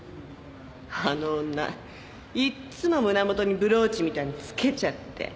あの女いっつも胸元にブローチみたいなの着けちゃって。